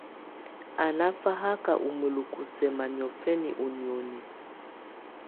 Á ná fáhaká ú mǝ́luku sɛ́ma niɔ̀fɛna ú nìóni.